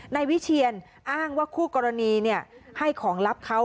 นายวิเชียนอ้างว่าคู่กรณีให้ของลับเขา